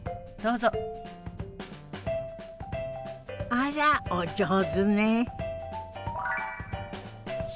あらお上手ね。